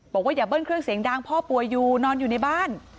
อย่าเบิ้ลเครื่องเสียงดังพ่อป่วยอยู่นอนอยู่ในบ้าน